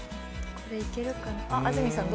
これ、いけるかな。